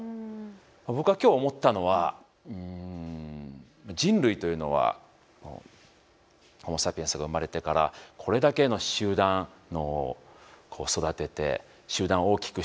僕は今日思ったのは人類というのはホモ・サピエンスが生まれてからこれだけの集団脳を育てて集団を大きくしていって。